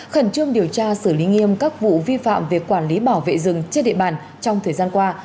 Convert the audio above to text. khẩn trương điều tra xử lý nghiêm các vụ vi phạm về quản lý bảo vệ rừng trên địa bàn trong thời gian qua